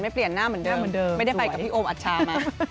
ไม่เปลี่ยนหน้าเหมือนเดิมไม่ได้ไปกับพี่โอมอัชชามา